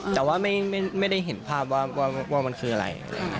แต่ว่าไม่ได้เห็นภาพว่ามันคืออะไร